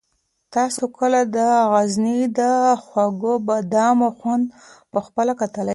تاسو کله د غزني د خوږو بادامو خوند په خپله کتلی دی؟